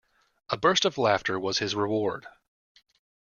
A burst of laughter was his reward.